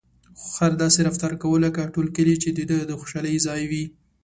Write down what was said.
خر داسې رفتار کاوه لکه ټول کلي چې د ده د خوشحالۍ ځای وي.